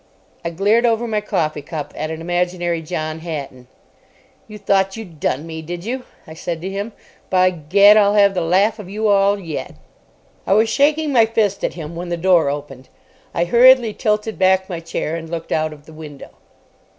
I glared over my coffee cup at an imaginary John Hatton. "You thought you'd done me, did you?" I said to him. "By Gad! I'll have the laugh of you all yet." I was shaking my fist at him when the door opened. I hurriedly tilted back my chair, and looked out of the window.